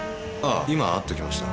今会ってきました。